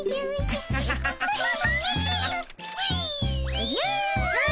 おじゃ。わ。